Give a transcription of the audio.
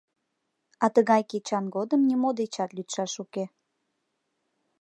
А тыгай кечан годым нимо дечат лӱдшаш уке.